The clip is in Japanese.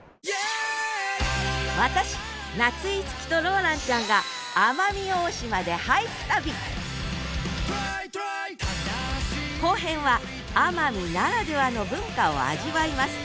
私夏井いつきとローランちゃんが後編は奄美ならではの文化を味わいます！